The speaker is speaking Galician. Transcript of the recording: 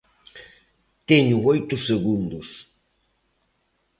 Teño oito segundos.